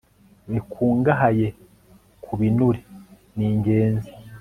bikungahaye ku binure Ni ingenzi